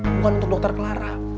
bukan untuk dokter clara